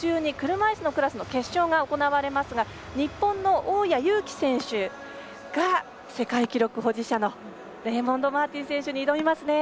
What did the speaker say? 車いすのクラスの決勝が行われますが日本の大矢勇気選手が世界記録保持者のレイモンド・マーティン選手に挑みますね。